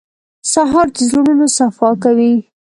سهار د زړونو صفا کوي.